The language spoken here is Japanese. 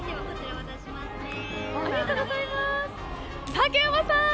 竹山さん！